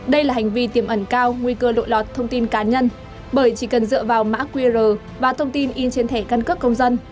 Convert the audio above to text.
đây là hành vi tiềm ẩn cao nguy cơ lộ lọt thông tin cá nhân bởi chỉ cần dựa vào mã qr và thông tin in trên thẻ căn cước công dân